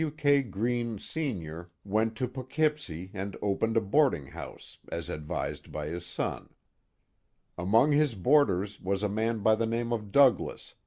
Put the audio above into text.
W. K. Greene, Senior^ 330 The Mohawk Valley ^^ went to Pouglikcepsie and opened a boardings ho use, as ad vised by his son. Among his boarders was a man by the name of Douglass.